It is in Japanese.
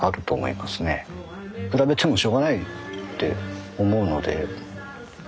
比べてもしょうがないって思うので。